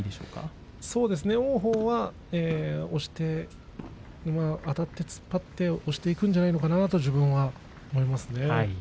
はい、王鵬はあたって突っ張って押していくんじゃないのかなと私は思いますね。